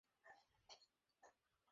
তখন থেকেই আমি এখানে।